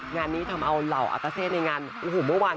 งานนี้ทำเอาเหล่าอากาเซในงานโอ้โหเมื่อวาน